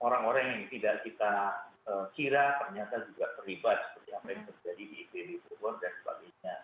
orang orang yang tidak kita kira ternyata juga terlibat seperti yang terjadi di ipl di purwore dan sebagainya